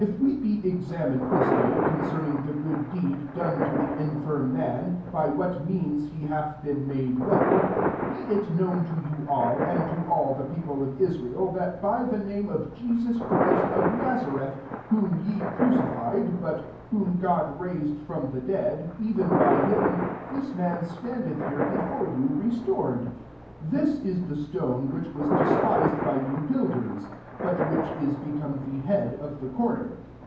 205 Mre be examined this day con cerning the good deed done to the infirm man» by what means he hath been made well ;* 10 be it known to you all, and to ill the people of Israel, that by the name of Jesus Christ of ^fazareth, whom ye crucified, ^u/ whom God raised from Jie dead, even by him, this nan standeth here before you, restored. 11 This is the stone irhich was despised by you )uilders ; but which is become he head of the corner.